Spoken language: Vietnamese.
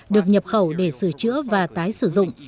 được nhập khẩu để sửa chữa và tái sử dụng